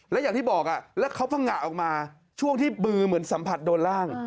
และอย่างที่บอกแล้วเขาพังงะออกมาช่วงที่มือเหมือนสัมผัสโดนร่าง